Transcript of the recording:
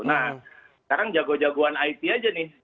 nah sekarang jago jagoan it aja nih